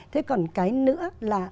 thế còn cái nữa là